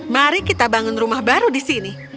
mari kita bangun rumah baru di sini